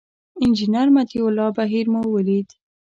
انجینر مطیع الله بهیر مو ولید.